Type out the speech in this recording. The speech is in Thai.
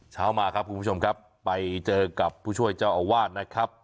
เช้ามาครับคุณผู้ชมครับไปเจอกับผู้ช่วยเจ้าอาวาสนะครับ